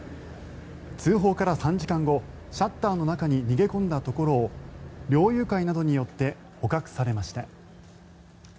通報から３時間後シャッターの中に逃げ込んだところを猟友会などによって捕獲されました。